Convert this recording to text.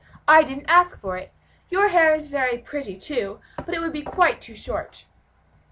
"I didn't ask for it. Your hair is very pretty, too, but it would be quite too short."